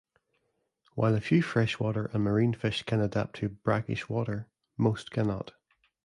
While a few freshwater and marine fish can adapt to brackish water, most cannot.